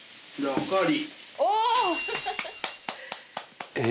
おかわり！